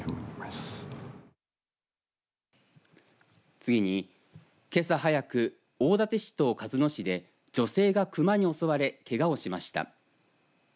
次に、けさ早く大館市と鹿角市で女性が熊に襲われけがをしました。